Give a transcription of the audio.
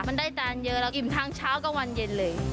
มันได้จานเยอะเราอิ่มทั้งเช้ากับวันเย็นเลย